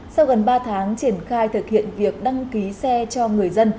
sau gần ba tháng triển khai thực hiện việc đăng ký xe cho người dân